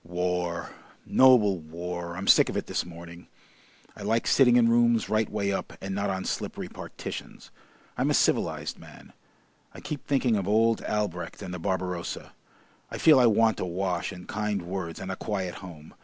War! Noble war! I'm sick of it this morning. I like sitting in rooms rightway up and not on slippery partitions. I'm a civilised man. I keep thinking of old Albrecht and the Barbarossa.... I feel I want a wash and kind words and a quiet home.